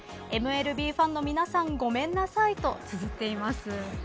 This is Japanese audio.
ＭＬＢファンの皆さんごめんなさいとつづっています。